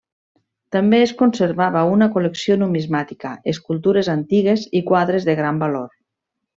També es conservava una col·lecció numismàtica, escultures antigues i quadres de gran valor.